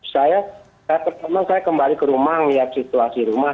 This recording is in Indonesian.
saya pertama saya kembali ke rumah melihat situasi rumah